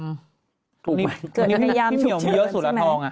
พี่เมียวมีเยอะสุดละทอง